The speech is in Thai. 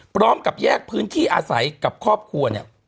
พร้อมกับแยกพื้นที่อาศัยกับครอบครัวเนี่ย